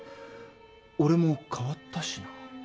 俺も変わったしな。